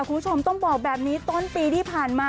คุณผู้ชมต้องบอกแบบนี้ต้นปีที่ผ่านมา